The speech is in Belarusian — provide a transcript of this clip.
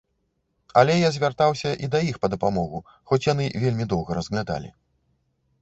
Але я звяртаўся і да іх па дапамогу, хоць яны вельмі доўга разглядалі.